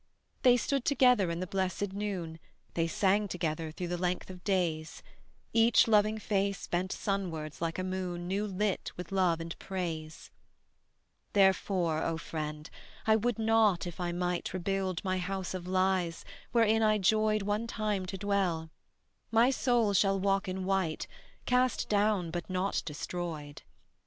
They stood together in the blessed noon, They sang together through the length of days; Each loving face bent Sunwards like a moon New lit with love and praise. Therefore, O friend, I would not if I might Rebuild my house of lies, wherein I joyed One time to dwell: my soul shall walk in white, Cast down but not destroyed.